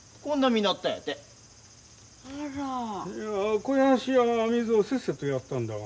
いや肥やしや水をせっせとやったんだが。